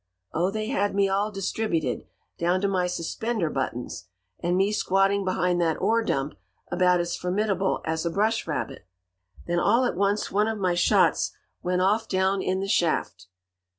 Oh, they had me all distributed, down to my suspender buttons! And me squatting behind that ore dump about as formidable as a brush rabbit! "Then, all at once, one of my shots went off down in the shaft.